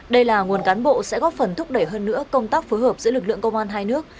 đây là nguồn cán bộ sẽ góp phần thúc đẩy hơn nữa công tác phối hợp giữa lực lượng công an hai nước